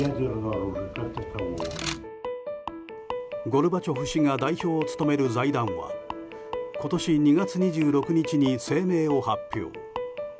ゴルバチョフ氏が代表を務める財団は今年２月２６日に声明を発表。